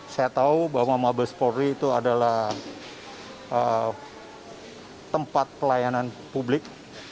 saya tahu bahwa mabes polri itu adalah tempat pelayanan publik